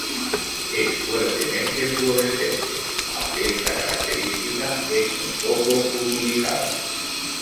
Es fuertemente ﬂuorescente, aunque esta característica es muy poco utilizada.